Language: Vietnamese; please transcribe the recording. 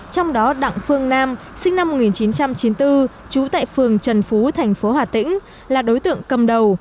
trong đó đặng phương nam sinh năm một nghìn chín trăm chín mươi bốn trú tại phường trần phú thành phố hà tĩnh là đối tượng cầm đầu